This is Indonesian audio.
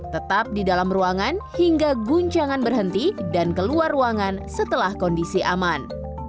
tetap di dalam ruangan hingga guncangan berhenti dan keluar ruangan setelah kondisi aman